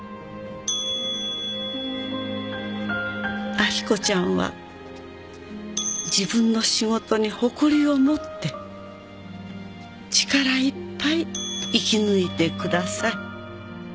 「明子ちゃんは自分の仕事に誇りを持って力いっぱい生きぬいてください」